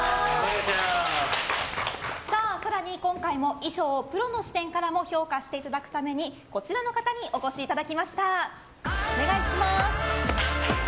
更に今回も衣装をプロの視点からも評価していただくためにこちらの方にお越しいただきました。